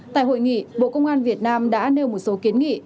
tại hội nghị bộ công an việt nam đã nêu một số kiến nghị